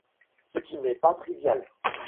Ce qui n'est pas trivial.